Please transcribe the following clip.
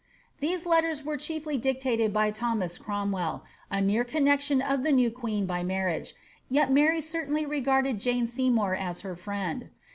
These letters were chiefly dictated by Thomas Cromwell, a near connexion of the new queen by marriage, yet Mary certainly regarded Jane Seymour as her friend.